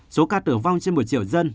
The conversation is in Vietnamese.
số ca tử vong trên một triệu dân